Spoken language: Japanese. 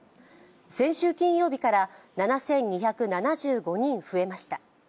先週金曜日から７２７５人増えました。